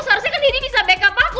seharusnya kan ini bisa backup aku